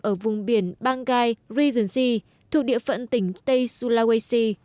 ở vùng biển pangai rijunsi thuộc địa phận tỉnh tây sulawesi